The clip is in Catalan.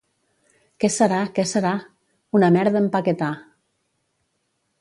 —Què serà?, què serà? —Una merda «empaquetà».